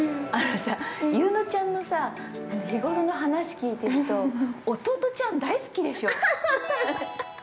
あのさ、優乃ちゃんのさ、日ごろの話聞いてると、弟ちゃん大好きでしょう。